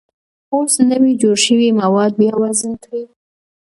اوس نوي جوړ شوي مواد بیا وزن کړئ.